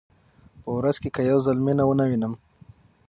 په ورځ کې که یو ځل مینه ونه وینم.